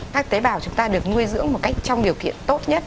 các tế bào chúng ta được nuôi dưỡng một cách trong điều kiện tốt nhất